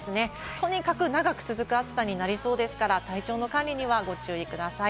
とにかく長く続く暑さになりそうですから、体調の管理にはご注意ください。